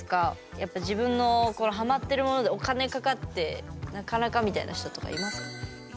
やっぱり自分のハマってるものでお金かかって、なかなかみたいな人とかいます？